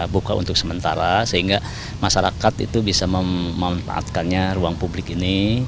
buka untuk sementara sehingga masyarakat itu bisa memanfaatkannya ruang publik ini